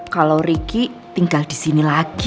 kalau ricky tinggal disini lagi